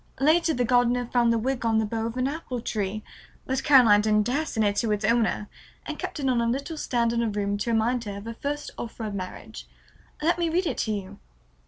Later the gardener found the wig on the bough of an apple tree, but Caroline didn't dare send it to its owner and kept it on a little stand in her room to remind her of her first offer of marriage. Let me read it to you."